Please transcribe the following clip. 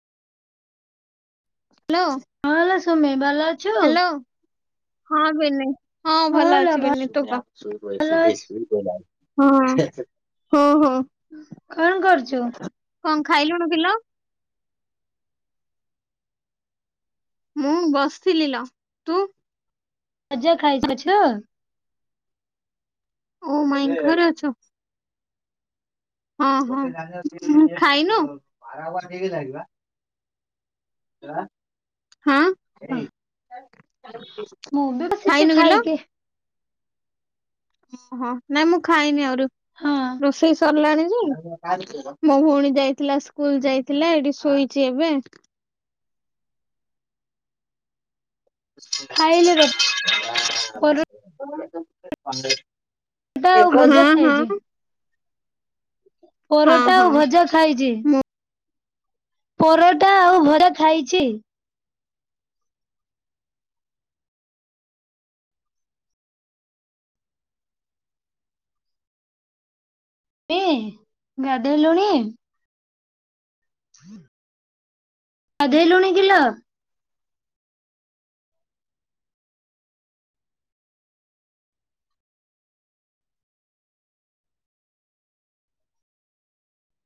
Hello. ହଁ ସୁମେ ବାଲା ହ୍ୟାଲୋ ହଁ ବିନି ହଁ ଭଲ ଅଛି ତୁ ଅଛି କହ। ହଁ ହଁ ହଁ। କଣ କରୁଛୁ? କଣ ଖାଇଲୁଣୁ କିଲୋ? ମୁଁ ବସିଥିଲି ଲୋ ତୁ? ସଜ ଖାଇକି ଅଛ। ଓ ମାଇଁ ଙ୍କ ଘରେ ଅଛ? ହଁ ହଁ ଖାଇନୁ? ହାଁ ମୁଁ ବି ବସିଛି ଖାଇନୁ କିଲୋ? ଖାଇକି ଓହୋ ନାଇଁ ମୁଁ ଖାଇନି ଆହୁରି ହଁ ରୋଷେଇ ସରିଲାଣି ଯେ ମୋ ଭଉଣୀ ଯାଇଥିଲା ସ୍କୁଲ ଯାଇଥିଲା ଏଇଠି ଶୋଇଛି ଏବେ। [inaudible] ଖାଇଲେ ଲୋ। ଆଉ ହୁଁ ଭଜା ଖାଇଛି ହୁଁ। ପରଟା ଆଉ ହଁ ଭଜା ଖାଇଛି। ପରଟା ଆଉ ଭଜା ଖାଇଛି। ଏ ଗାଧୋଇଲୁଣି? ଗାଧେଇଲୁଣି କିଲୋ?